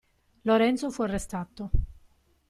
Lorenzo fu arrestato.